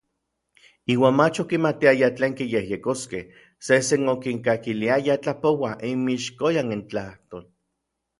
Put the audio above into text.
Iuan mach okimatiaya tlen kiyejyekoskej, sejsen okinkakiliayaj tlapouaj inmixkoyan intlajtol.